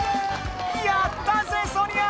やったぜソニア！